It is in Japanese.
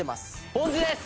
ポン酢です！